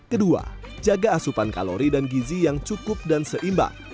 kedua jaga asupan kalori dan gizi yang cukup dan seimbang